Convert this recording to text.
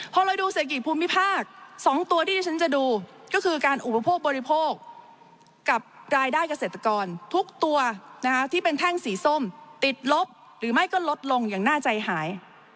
พอเราดูเศรษฐกิจภูมิภาค๒ตัวที่ที่ฉันจะดูก็คือการอุปโภคบริโภคกับรายได้เกษตรกรทุกตัวที่เป็นแท่งสีส้มติดลบหรือไม่ก็ลดลงอย่างน่าใจหาย